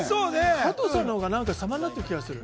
加藤さんのほうが何か様になってる気がする。